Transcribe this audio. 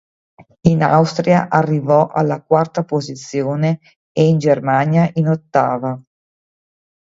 In Austria arrivò alla quarta posizione e in Germania in ottava.